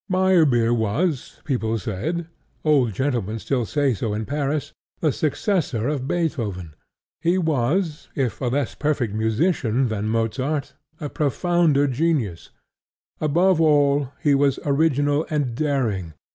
Meyerbeer was, people said (old gentlemen still say so in Paris), the successor of Beethoven: he was, if a less perfect musician than Mozart, a profounder genius. Above all, he was original and daring.